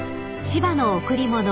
［『千葉の贈り物』］